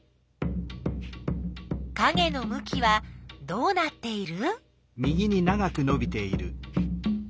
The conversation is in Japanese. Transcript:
かげのむきはどうなっている？